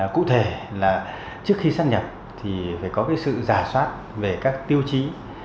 cụ thể là trước khi sắp nhập thì phải có cái sự giả soát về các tiêu chí